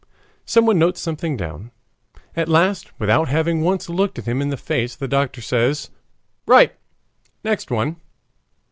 Someone notes something down. At last without having once looked him in the face the doctor says, "Right. Next one!"